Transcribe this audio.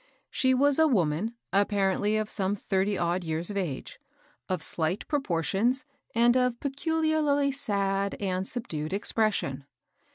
She was a woman, apparently of some thirly odd years of age, of slight proportions, and of pecu harly sad and subdued expression.